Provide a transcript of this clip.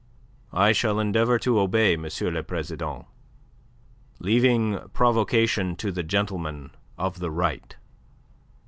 "I shall endeavour to obey, M. le President, leaving provocation to the gentlemen of the Right.